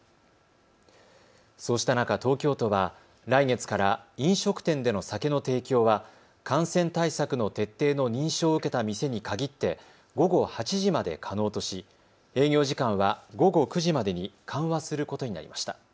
そうした中、東京都は来月から飲食店での酒の提供は感染対策の徹底の認証を受けた店に限って午後８時まで可能とし営業時間は午後９時までに緩和することになりました。